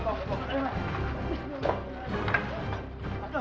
lalu lalu pak